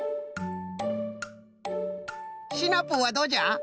シナプーはどうじゃ？